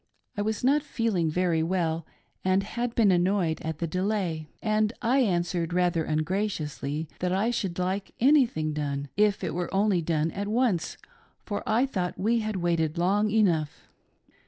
I was not feeling very well, and had been annoyed at the delay, and I answered rather ungraciously that I should like anything done, if only it were done at once, for I thought we had waited long enough.